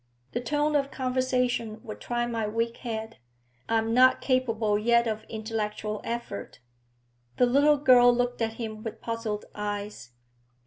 The tone of conversation would try my weak head; I am not capable yet of intellectual effort.' The little girl looked at him with puzzled eyes.